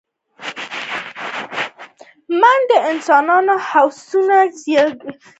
منډه د انسان هڅونه زیږوي